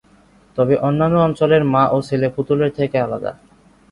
তবে অন্যান্য অঞ্চলের মা ও ছেলে পুতুলের থেকে আলাদা।